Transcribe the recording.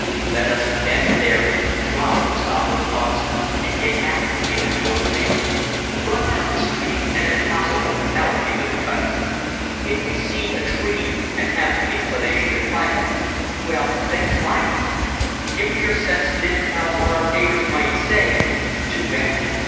Let us then and there drop the sombre thoughts and get out into the open air. Run down the street and if possible out into the country. If we see a tree and have the inclination to climb it well, then, climb it. If we are sensitive about what our neighbors might say too bad!